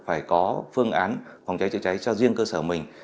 phải có phương án phòng cháy chữa cháy cho riêng cơ sở mình